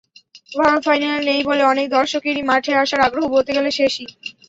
ভারত ফাইনালে নেই বলে অনেক দর্শকেরই মাঠে আসার আগ্রহ বলতে গেলে শেষই।